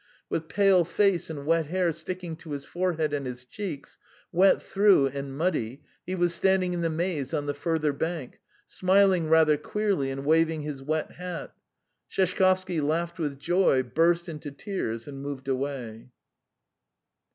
With pale face and wet hair sticking to his forehead and his cheeks, wet through and muddy, he was standing in the maize on the further bank, smiling rather queerly and waving his wet hat. Sheshkovsky laughed with joy, burst into tears, and moved away.